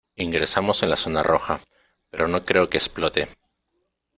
ingresamos en la zona roja, pero no creo que explote.